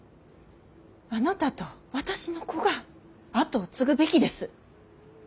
あなたと私の子が跡を継ぐべきです。